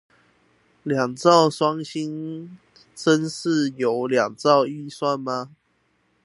兩兆雙星是真的有兩兆預算嗎